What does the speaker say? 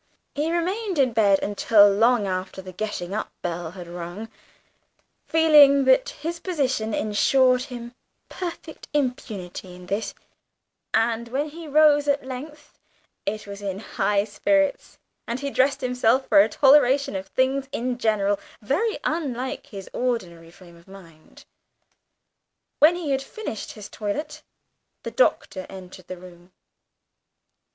He remained in bed until long after the getting up bell had rung, feeling that his position ensured him perfect impunity in this, and when he rose at length it was in high spirits, and he dressed himself with a growing toleration for things in general, very unlike his ordinary frame of mind. When he had finished his toilet, the Doctor entered the room.